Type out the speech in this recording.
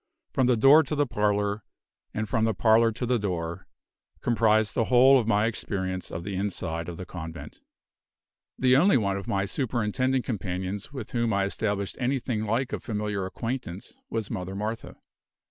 From the door to the parlor, and from the parlor to the door, comprised the whole of my experience of the inside of the convent. The only one of my superintending companions with whom I established anything like a familiar acquaintance was Mother Martha.